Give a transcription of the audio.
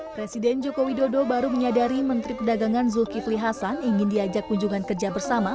presiden jokowi dodo baru menyadari menteri pedagangan zulkifli hasan ingin diajak kunjungan kerja bersama